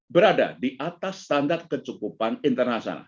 berada di atas standar kecukupan internasional